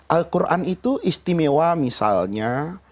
al quran itu istimewa misalnya